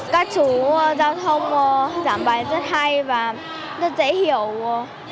các chú giao thông giảm bài rất hay và rất dễ hiểu